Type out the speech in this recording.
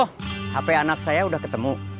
oh hp anak saya udah ketemu